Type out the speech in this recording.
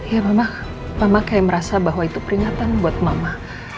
ya mama kayak merasa bahwa itu peringatan buat mama